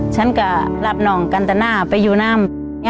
ฉันก็รับน้องกันตนาไปอยู่น้ำ